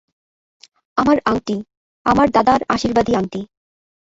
আমার আংটি– আমার দাদার আশীর্বাদী আংটি।